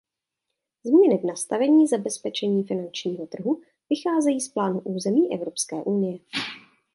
Změny v nastavení zabezpečení finančního trhu vycházejí z plánu zemí Evropské unie.